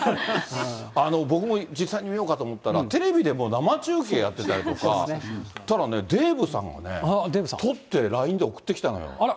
僕も実際に見ようかと思ったら、テレビでも生中継やってたりとか、そしたらね、デーブさんがね、撮って、ラインで送ってきたのよ。